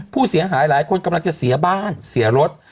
ผู้เสียหายหลายคนกำลังจะเสียบ้านเสียรถ